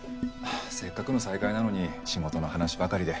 せっかくの再会なのに仕事の話ばかりで。